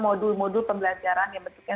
modul modul pembelajaran yang bentuknya